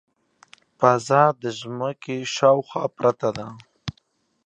فضا د ځمکې شاوخوا پرته ده.